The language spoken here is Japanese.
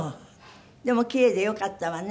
でもキレイでよかったわね。